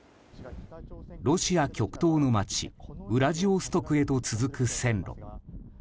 ロシア極東の町ウラジオストクへと続く線路。